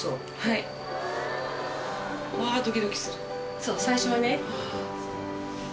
そう最初はね。